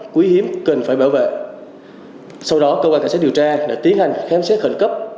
quý hiếm cần phải bảo vệ sau đó cơ quan cảnh sát điều tra đã tiến hành khám xét khẩn cấp